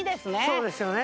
そうですよね。